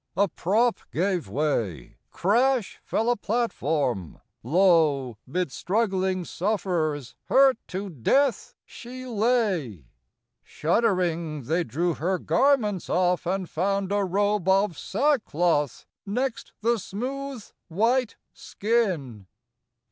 A prop gave way! crash fell a platform! Lo, Mid struggling sufferers, hurt to death, she lay! Shuddering, they drew her garments off and found A robe of sackcloth next the smooth, white skin.